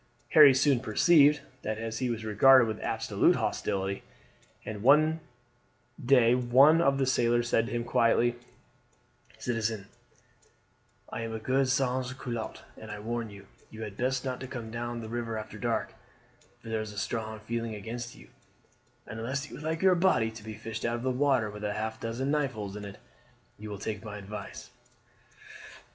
Harry soon perceived that he was regarded with absolute hostility, and one day one of the sailors said to him quietly: "Citizen, I am a good sans culotte, and I warn you, you had best not come down the river after dark, for there is a strong feeling against you; and unless you would like your body to be fished out of the river with half a dozen knife holes in it, you will take my advice."